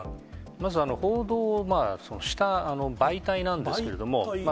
まず報道をした媒体なんです